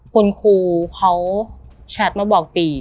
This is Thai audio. คุณครูเขาแชทมาบอกตี